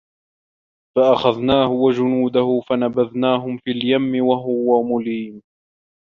فَأَخَذناهُ وَجُنودَهُ فَنَبَذناهُم فِي اليَمِّ وَهُوَ مُليمٌ